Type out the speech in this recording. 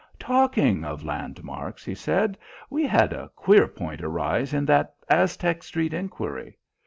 "Talking of landmarks," he said, "we had a queer point arise in that Aztec Street inquiry.